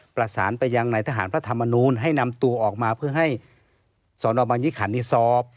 ประสานไปยังในทหารพระธรรมนูลให้นำตัวออกมาเพื่อให้สนบางยี่ขันนี้สอบ